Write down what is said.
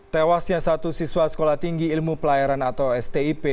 tewasnya satu siswa sekolah tinggi ilmu pelayaran atau stip